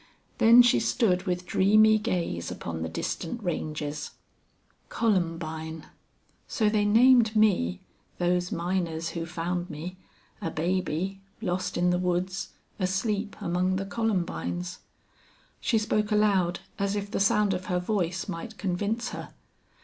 Then she stood with dreamy gaze upon the distant ranges. "Columbine!... So they named me those miners who found me a baby lost in the woods asleep among the columbines." She spoke aloud, as if the sound of her voice might convince her.